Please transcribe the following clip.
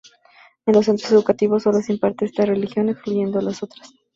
En los centros educativos solo se imparte esta religión excluyendo a las otras.